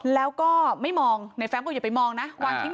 แล้วก็ไม่มองในแฟมก็อย่าไปมองนะวางทิ้ง